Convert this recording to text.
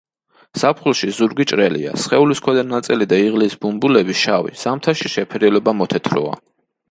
ზაფხულში ზურგი ჭრელია, სხეულის ქვედა ნაწილი და იღლიის ბუმბულები შავი; ზამთარში შეფერილობა მოთეთროა.